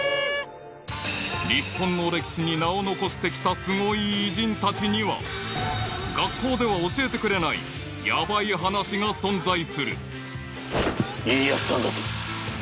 ［日本の歴史に名を残してきたスゴい偉人たちには学校では教えてくれないヤバい話が存在する］